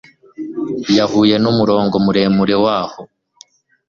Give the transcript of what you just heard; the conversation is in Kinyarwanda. yahuye n'umurongo muremure waho